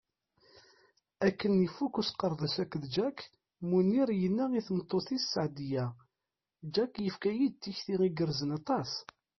Akken ifuk usqerdec akked Jack, Munir yenna i tmeṭṭut-is Seɛdiya: Jack yefka-yi-d tikti igerrzen aṭas.